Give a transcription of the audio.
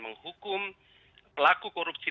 menghukum pelaku korupsi